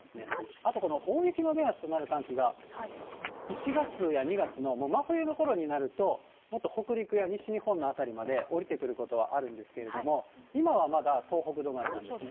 あとこの大雪の目安となる寒気が、１月や２月の真冬のころになると、もっと北陸や西日本の辺りまで下りてくることはあるんですけれども、今はまだ東北止まりなんですね。